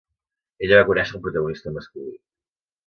Ella va conèixer al protagonista masculí.